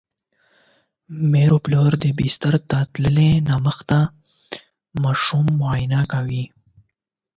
مور او پلار د بستر ته تللو دمخه ماشوم معاینه کوي.